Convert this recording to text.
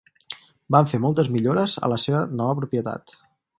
Van fer moltes millores a la seva nova propietat.